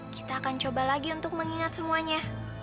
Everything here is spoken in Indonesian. kita akan coba lagi untuk mengingat semuanya